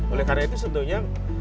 oleh karena itu sebetulnya